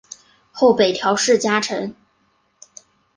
后北条氏家臣。